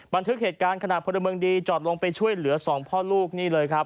บันทึกเหตุการณ์ขณะพลเมืองดีจอดลงไปช่วยเหลือสองพ่อลูกนี่เลยครับ